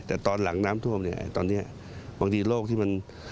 แต่ตอนหลังน้ำท่วมเนี่ยตอนนี้บางทีโรคที่มัน